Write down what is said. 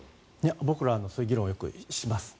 僕らはそういう議論をよくします。